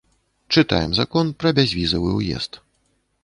Чытаем закон пра бязвізавы ўезд.